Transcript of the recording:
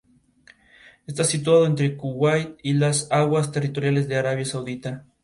Está situado entre Kuwait y las aguas territoriales de Arabia Saudita.